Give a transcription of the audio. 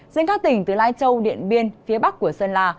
riêng các tỉnh từ lai châu điện biên phía bắc của sơn la